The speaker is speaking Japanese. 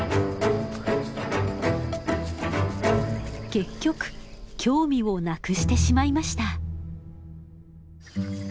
結局興味をなくしてしまいました。